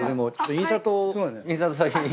インサート先に。